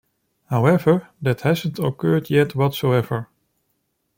However, that hasn't occurred yet whatsoever.